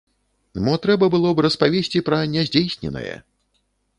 Мо трэба было б распавесці пра няздзейсненае.